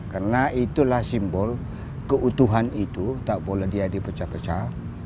karena itulah simbol keutuhan itu tak boleh dia dipecah pecah